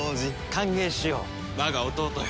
歓迎しよう我が弟よ。